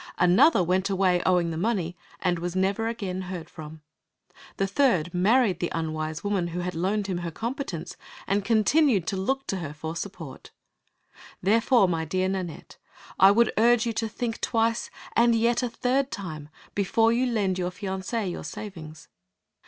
Another went away owing the money, and was never again heard from. The third married the unwise woman who had loaned him her competence, and continued to look to her for support. Therefore, my dear Nanette, I would urge you to think twice, and yet a third time, before you lend your fiancé your savings.